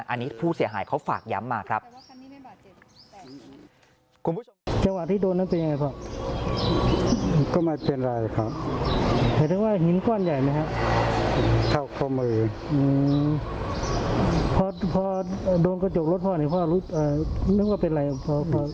อันนี้ผู้เสียหายเขาฝากย้ำมาครับ